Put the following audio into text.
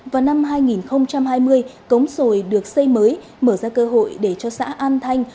vào năm hai nghìn hai mươi cống sồi được xây mới mở ra cơ hội để cho xã an thanh